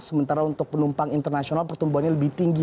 sementara untuk penumpang internasional pertumbuhan ini lebih tinggi